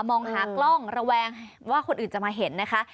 มองหากล้องระแวงว่าคนอื่นจะมาเห็นนะคะ